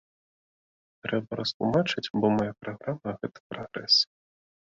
Трэба растлумачыць, бо мая праграма гэта прагрэс.